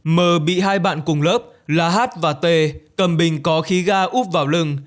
mờ bị hai bạn cùng lớp là h và t cầm bình có khí ga úp vào lưng